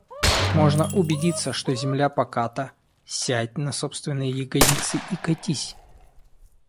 Можно убедиться, что земля поката, — сядь на собственные ягодицы и катись!